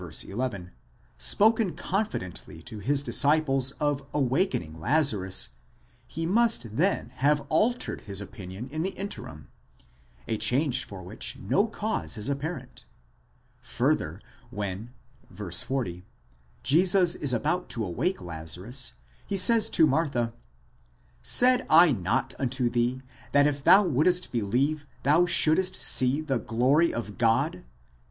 11) spoken confidently to his disciples of awaking Lazarus, he must then have altered his opinion in the interim—a change for which no cause is apparent. Further, when (v.40) Jesus is about to awake Lazarus, he says to Martha, Said J not unto thee that tf thou wouldst believe thou shouldst see the glory of God?